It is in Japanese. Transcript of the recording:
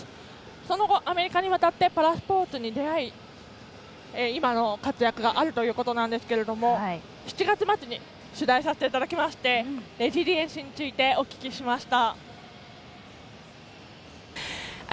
その後、アメリカに渡ってパラスポーツに出会い今の活躍があるということなんですけれども７月末に取材させていただきましてレジリエンスについてお聞きしました。